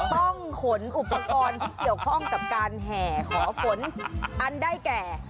ต้องขนอุปกรณ์ที่เกี่ยวข้องกับการแห่ขอฝนอันได้แก่